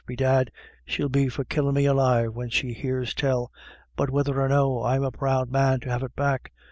Bedad, she'll be for killin' me alive when she hears tell ; but whether or no, I'm a proud man to have it back.